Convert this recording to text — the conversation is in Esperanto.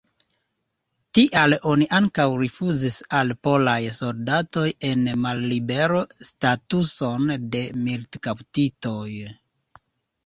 Tial oni ankaŭ rifuzis al polaj soldatoj en mallibero statuson de militkaptitoj.